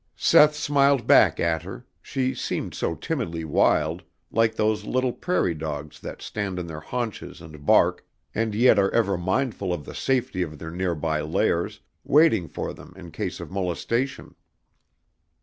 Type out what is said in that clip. Seth smiled back at her, she seemed so timidly wild, like those little prairie dogs that stand on their haunches and bark, and yet are ever mindful of the safety of their near by lairs, waiting for them in case of molestation.